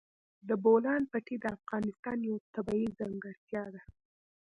د بولان پټي د افغانستان یوه طبیعي ځانګړتیا ده.